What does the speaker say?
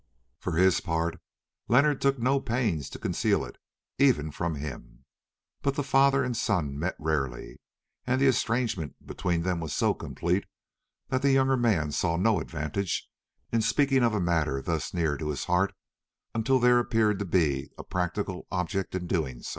For his part, Leonard took no pains to conceal it even from him; but the father and son met rarely, and the estrangement between them was so complete, that the younger man saw no advantage in speaking of a matter thus near to his heart until there appeared to be a practical object in so doing.